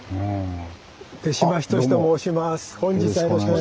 手島仁と申します。